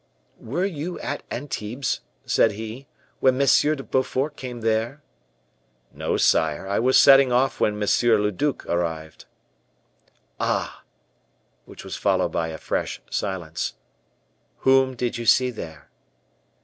"Were you at Antibes," said he, "when Monsieur de Beaufort came there?" "No, sire; I was setting off when monsieur le duc arrived." "Ah!" which was followed by a fresh silence. "Whom did you see there?"